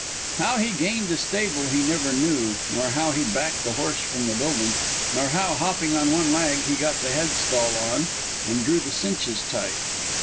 How he gained the stable he never knew, nor how he backed the horse from the building, nor how, hopping on one leg, he got the headstall on and drew the cinches tight.